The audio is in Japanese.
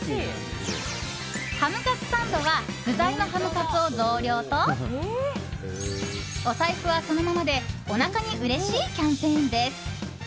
ハムカツサンドは具材のハムカツを増量とお財布は、そのままでおなかにうれしいキャンペーンです。